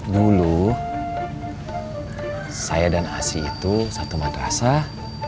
dulu saya dan asi itu satu madrasah